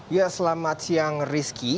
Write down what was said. ya selamat siang rizky